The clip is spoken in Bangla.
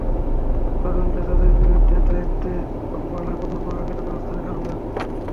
তদন্তে তাঁদের বিরুদ্ধে দায়িত্বে অবহেলার প্রমাণ পাওয়া গেলে ব্যবস্থা নেওয়া হবে।